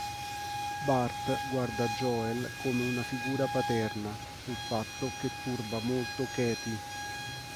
Bart guarda Joel come una figura paterna; un fatto che turba molto Cathy.